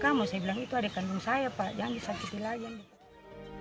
saya bilang itu adik kandung saya pak jangan disakiti lagi